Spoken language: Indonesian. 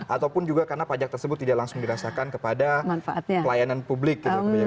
ataupun juga karena pajak tersebut tidak langsung dirasakan kepada pelayanan publik gitu